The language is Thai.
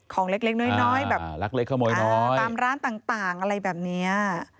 ของเล็กน้อยแบบร้านต่างอะไรแบบเนี้ย